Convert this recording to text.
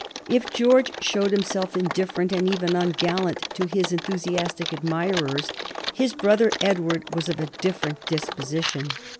If George showed himself indifferent and even ungallant to his enthusiastic admirers, his brother Edward was of a different disposition.